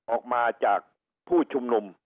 ออกมาจากผู้ชุมนุม